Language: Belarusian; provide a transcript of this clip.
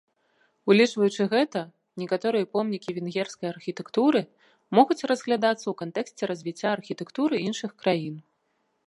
Улічваючы гэта, некаторыя помнікі венгерскай архітэктуры могуць разглядацца ў кантэксце развіцця архітэктуры іншых краін.